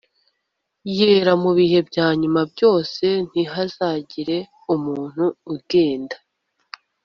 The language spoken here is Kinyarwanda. yera mu bihe byanyu byose ntihazagire umuntu ugenda